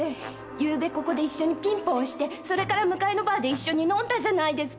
ゆうべここで一緒にピンポンをしてそれから向かいのバーで一緒に飲んだじゃないですか！